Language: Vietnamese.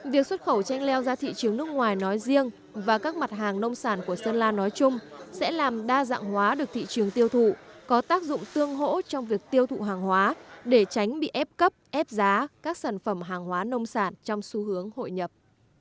việc xuất khẩu chanh leo ra thị trường nước ngoài nói riêng và các mặt hàng nông sản của sơn la nói chung sẽ làm đa dạng hóa được thị trường tiêu thụ có tác dụng tương hỗ trong việc tiêu thụ hàng hóa để tránh bị ép cấp ép giá các sản phẩm hàng hóa nông sản trong xu hướng hội nhập